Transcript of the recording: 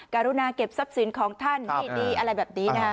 การุณาเก็บทรัพย์สินของท่านให้ดีอะไรแบบนี้นะฮะ